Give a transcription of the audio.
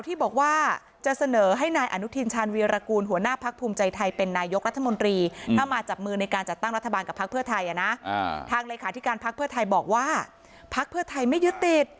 ที่การภักดิ์เพื่อไทยบอกว่าภักดิ์เพื่อไทยไม่ยึดติด